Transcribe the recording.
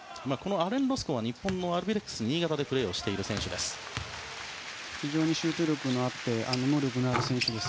アレン・ロスコは日本アルビレックス新潟でプレーしている選手です。